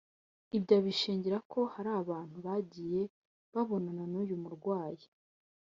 Ibyo abishingira ko hari abantu bagiye babonana n’uyu murwayi